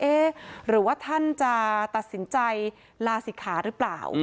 เอ๊ะหรือว่าท่านจะตัดสินใจลาศิษย์ค่าหรือเปล่า